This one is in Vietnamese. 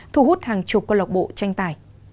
thu hút hàng chục con lọc bộ tranh tài